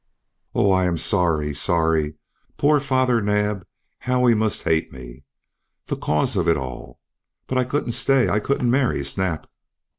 "Oh, I am sorry sorry. Poor Father Naab! How he must hate me, the cause of it all! But I couldn't stay I couldn't marry Snap."